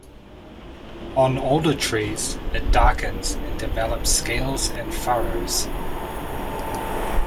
On older trees, it darkens and develops scales and furrows.